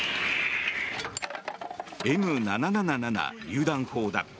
Ｍ７７７りゅう弾砲だ。